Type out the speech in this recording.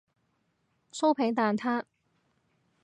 酥皮蛋撻